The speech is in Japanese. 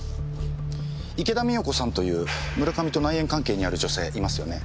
池田美代子さんという村上と内縁関係にある女性いますよね？